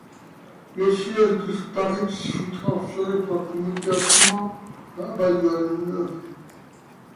Le siège d'Ustaritz fut transféré presque immédiatement à Bayonne.